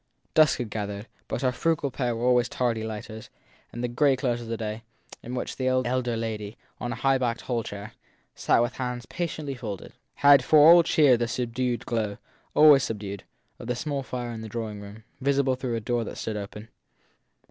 Dusk had gathered, but our frugal pair were always tardy lighters, and the grey close of day, in which the elder lady, on a high backed hall chair, sat with hands patiently folded, had for all cheer the subdued glow always subdued of the small fire in the drawing room, visible through a door that stood open.